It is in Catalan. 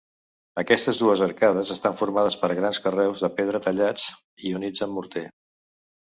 Aquestes dues arcades estan formades per grans carreus de pedra tallats i units amb morter.